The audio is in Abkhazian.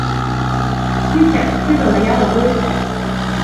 Ԥыхьа қьырала иалагозма?